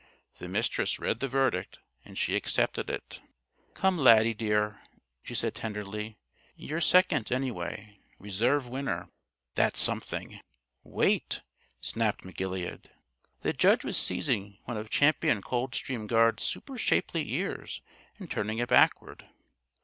The Mistress read the verdict, and she accepted it. "Come, Laddie, dear," she said tenderly. "You're second, anyway, Reserve Winner. That's something." "Wait!" snapped McGilead. The judge was seizing one of Champion Coldstream Guard's supershapely ears and turning it backward.